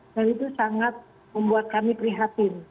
dan itu sangat membuat kami prihatin